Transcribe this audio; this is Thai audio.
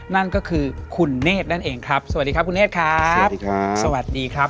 นั่นก็คือคุณเนธนั่นเองครับสวัสดีครับคุณเนธครับสวัสดีครับสวัสดีครับ